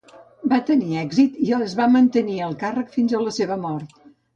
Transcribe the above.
Va tenir èxit, i es va mantenir al càrrec fins la seva mort.